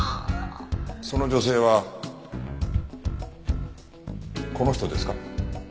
その女性はこの人ですか？